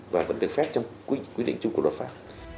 và vẫn được phép trong quy định chung của luật pháp